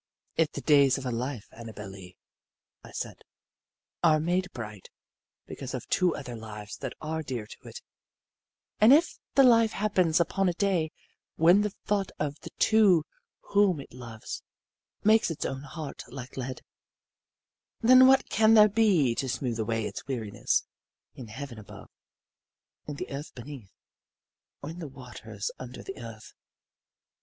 "If the days of a life, Annabel Lee," I said, "are made bright because of two other lives that are dear to it, and if the life happens upon a day when the thought of the two whom it loves makes its own heart like lead, then what can there be to smooth away its weariness, in heaven above, in the earth beneath, or in the waters under the earth?"